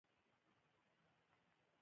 په افغانستان کې جلګه ډېر اهمیت لري.